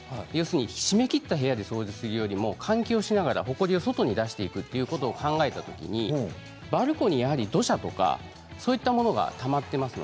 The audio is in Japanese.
閉めきった部屋で掃除するよりも換気しながらほこりを外に出すということを考えたときにバルコニーは土砂とかそういうものがたまっています。